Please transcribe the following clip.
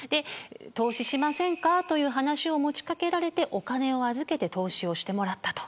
投資しませんかという話を持ちかけられてお金を預けて投資をしてもらったと。